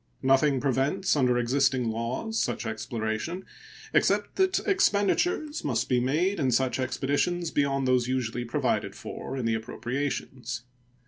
Nothing prevents, under existing laws, such exploration, except that expenditures must be made in such expeditions beyond those usually provided for in the appropriations.